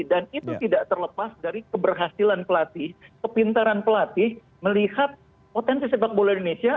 dan itu tidak terlepas dari keberhasilan pelatih kepintaran pelatih melihat potensi sepak bola indonesia